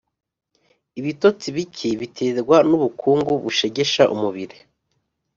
Ibitotsi bike biterwa n’ubukungu bushegesha umubiri,